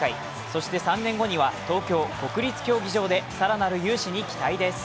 そして３年後には東京・国立競技場で更なる雄姿に期待です。